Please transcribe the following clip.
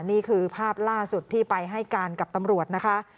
นี่คือภาพล่าสุดที่ไปให้การกับตำรวจนะคะ